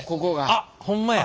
あっほんまや。